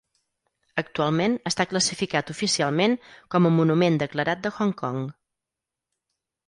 Actualment, està classificat oficialment com a monument declarat de Hong Kong.